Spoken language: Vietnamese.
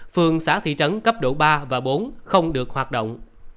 phường xã thị trấn cấp độ ba và bốn không được hoạt động